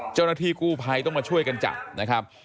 เจ้าหน้าที่กู้ภัยต้องมาช่วยกันจับนะครับ